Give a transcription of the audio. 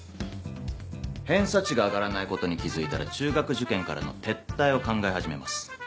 偏差値が上がらないことに気付いたら中学受験からの撤退を考え始めます。